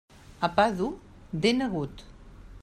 A pa dur, dent agut.